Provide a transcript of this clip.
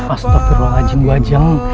astaghfirullahaladzim bu ajeng